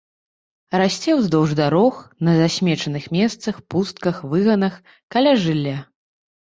Расце ўздоўж дарог, на засмечаных месцах, пустках, выганах, каля жылля.